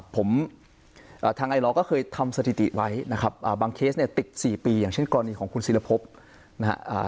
ผมทางไอลอร์ก็เคยทำสถิติไว้นะครับบางเคสเนี่ยติด๔ปีอย่างเช่นกรณีของคุณศิรพบนะฮะ